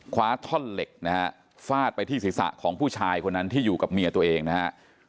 ขวาท่อเล็กฟาดไปที่ศิษย์ศาสตร์ของผู้ชายคนนั้นที่อยู่กับเมียตัวเองนะฮะ